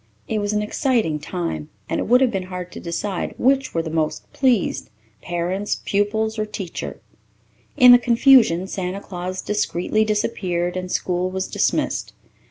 It was an exciting time, and it would have been hard to decide which were the most pleased, parents, pupils, or teacher. In the confusion Santa Claus discreetly disappeared, and school was dismissed.